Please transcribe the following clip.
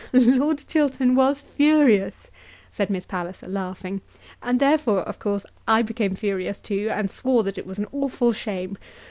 "Lord Chiltern was furious," said Miss Palliser, laughing, "and therefore, of course, I became furious too, and swore that it was an awful shame.